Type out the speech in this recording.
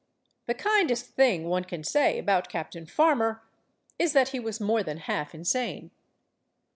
The kindest thing one can say about Cap tain Farmer is that he was more than half insane.